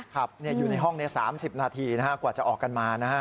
ครับอยู่ในห้องนี้๓๐นาทีกว่าจะออกกันมานะฮะ